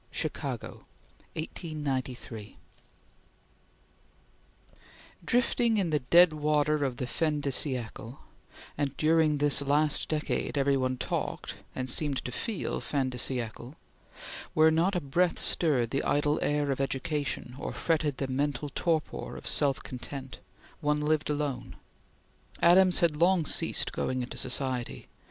CHAPTER XXII CHICAGO (1893) DRIFTING in the dead water of the fin de siecle and during this last decade every one talked, and seemed to feel fin de siecle where not a breath stirred the idle air of education or fretted the mental torpor of self content, one lived alone. Adams had long ceased going into society.